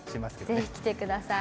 ぜひ来てください。